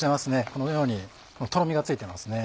このようにとろみがついてますね。